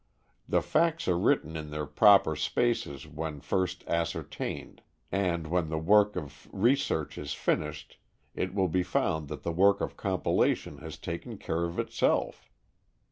The facts are written in their proper spaces when first ascertained, and when the work of research is finished it will be found that the work of compilation has taken care of itself!